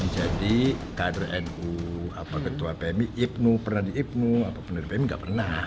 jadi kader nu apa ketua pmi ipnu pernah di ipnu apa penerbangan di pmi nggak pernah